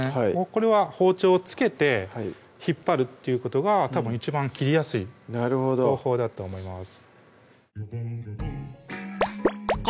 これは包丁を付けて引っ張るっていうことがたぶん一番切りやすい方法だと思います